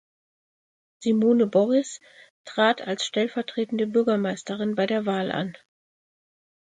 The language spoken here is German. Simone Borris trat als stellvertretende Bürgermeisterin bei der Wahl an.